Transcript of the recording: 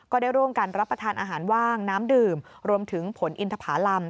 ได้ร่วมกันรับประทานอาหารว่างน้ำดื่มรวมถึงผลอินทภารำ